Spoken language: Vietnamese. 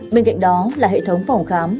bên cạnh đó là hệ thống phòng khám